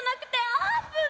あーぷん！